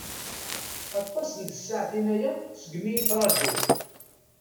Aṭas n tsaɛtin-aya seg mi i ttṛajuɣ.